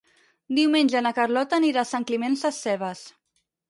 Diumenge na Carlota anirà a Sant Climent Sescebes.